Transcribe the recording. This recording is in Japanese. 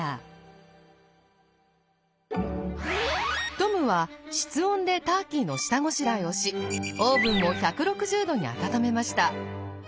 トムは室温でターキーの下ごしらえをしオーブンを１６０℃に温めました。